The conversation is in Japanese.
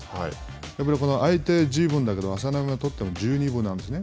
やっぱりこの相手十分だけど、朝乃山にとっても、十二分なんですね。